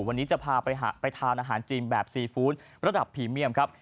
วันนี้จะพาไปทานอาหารจีนแบบซีฟู้ดระดับพรีเมียมครับ